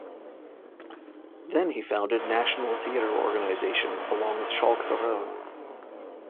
Then he founded National Theater Organization along with Schalk Theron.